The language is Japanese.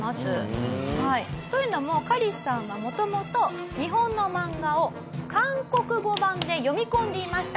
というのもカリスさんは元々日本の漫画を韓国語版で読み込んでいました。